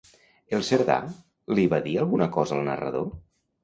El Cerdà li va dir alguna cosa al narrador?